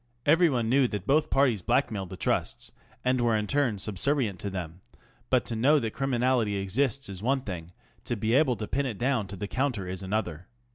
Everyone knew that both parties blackmailed the trusts and were in turn subservient to them ; but to know that criminality exists is one thing, to be able to pin it down to the counter is another.